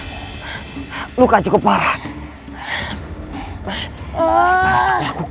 baiklah aku akan melayani kalian dengan dangkung